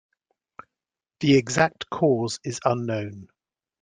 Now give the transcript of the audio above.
The exact cause is unknown.